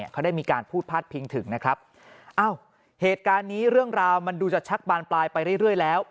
เขาได้มีการพูดพาดพิงถึงนะครับอ้าวเหตุการณ์นี้เรื่องราวมันดูจะชักบานปลายไปเรื่อยแล้ว